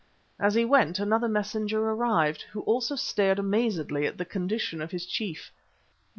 As he went another messenger arrived, who also stared amazedly at the condition of his chief.